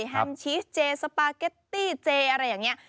แฮมชีสเจสปาเก็ตตี้เจอะไรอย่างนี้